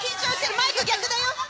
マイク逆だよ！